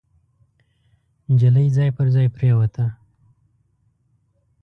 نجلۍ ځای پر ځای پريوته.